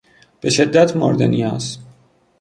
به شدت مورد نیاز